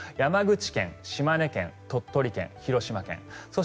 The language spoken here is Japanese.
山口県、島根県、鳥取県広島県。